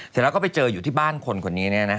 เสร็จแล้วก็ไปเจออยู่ที่บ้านคนคนนี้